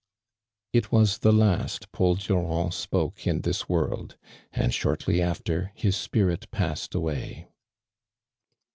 "' It was the last Paul Durand spoke in thin world, and shortly after his spirit passed away.